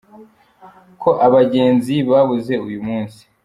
Ko abajyenzi babuze uyu munsi.